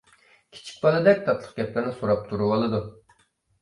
كىچىك بالىدەك تاتلىق گەپلەرنى سوراپ تۇرۇۋالىدۇ.